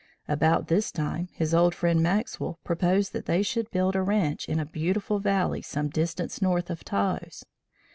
About this time, his old friend, Maxwell, proposed that they should build a ranch in a beautiful valley some distance north of Taos.